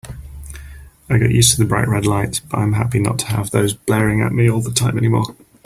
I got used to the bright red lights, but I'm happy to not have those blaring at me all the time anymore.